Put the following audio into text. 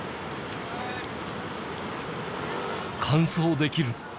完走できる。